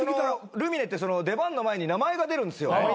ルミネって出番の前に名前が出るんですよ。